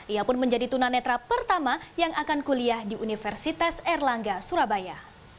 ia pun menjadi tunanetra pertama yang akan kuliah di universitas erlangga surabaya